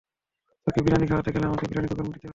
তোকে বিরিয়ানি খাওয়াতে গেলে আমাকে বিরিয়ানির দোকান দিতে হবে।